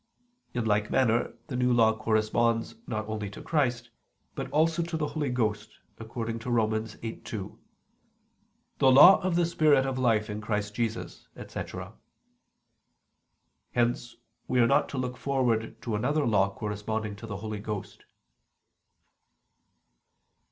In like manner the New Law corresponds not only to Christ, but also to the Holy Ghost; according to Rom. 8:2: "The Law of the Spirit of life in Christ Jesus," etc. Hence we are not to look forward to another law corresponding to the Holy Ghost.